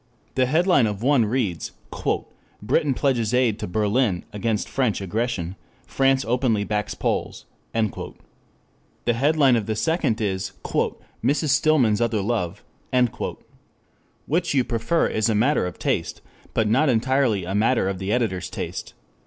The headline of one reads: "Britain pledges aid to Berlin against French aggression; France openly backs Poles." The headline of the second is "Mrs. Stillman's Other Love." Which you prefer is a matter of taste, but not entirely a matter of the editor's taste.